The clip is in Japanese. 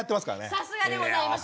さすがでございます！